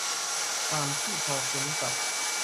ความที่พอคุ้นกับ